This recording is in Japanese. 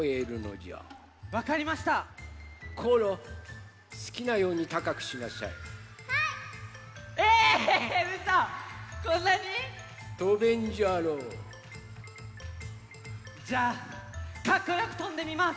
じゃあかっこよくとんでみます！